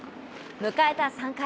迎えた３回。